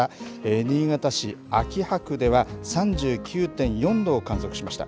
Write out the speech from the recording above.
新潟市秋葉区では３９．４度を観測しました。